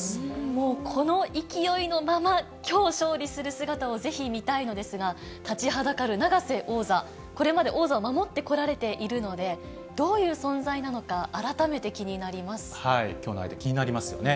もう、この勢いのまま、きょう勝利する姿をぜひ見たいのですが、立ちはだかる永瀬王座、これまで王座を守ってこられているので、どういう存在なのか、きょうの相手、気になりますよね。